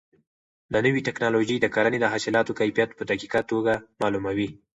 دا نوې ټیکنالوژي د کرنې د حاصلاتو کیفیت په دقیقه توګه معلوموي.